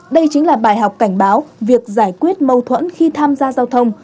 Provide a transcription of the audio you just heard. đây chính là bài học cảnh báo việc giải quyết mâu thuẫn khi tham gia giao thông